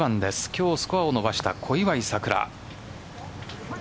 今日、スコアを伸ばした小祝さくら。